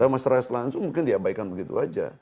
masyarakat langsung mungkin diabaikan begitu saja